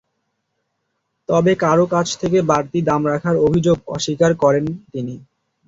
তবে কারও কাছ থেকে বাড়তি দাম রাখার অভিযোগ অস্বীকার করেন তিনি।